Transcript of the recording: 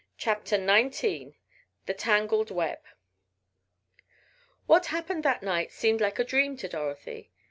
CHAPTER XIX THE TANGLED WEB What happened that night seemed like a dream to Dorothy.